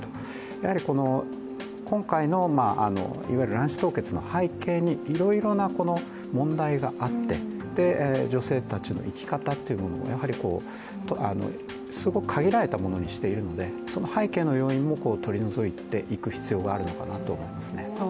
やはり今回のいわゆる卵子凍結の背景に、いろいろなこの問題があって、女性たちの生き方というのをすごく限られたものにしているので、その背景の要因も取り除いていく必要があるのかなと思いますね。